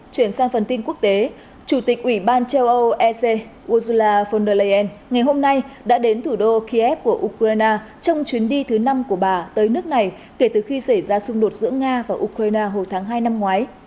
chuyển sang phần tin quốc tế chủ tịch ủy ban châu âu ec ursula von der leyen ngày hôm nay đã đến thủ đô kiev của ukraine trong chuyến đi thứ năm của bà tới nước này kể từ khi xảy ra xung đột giữa nga và ukraine hồi tháng hai năm ngoái